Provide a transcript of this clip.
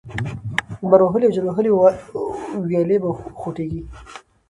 لمر وهلې او جل وهلې ويالې به وخوټېږي،